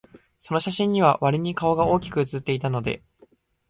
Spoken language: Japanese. その写真には、わりに顔が大きく写っていたので、